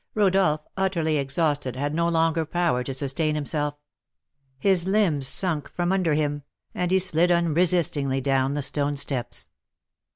Rodolph, utterly exhausted, had no longer power to sustain himself; his limbs sunk from under him, and he slid unresistingly down the stone steps.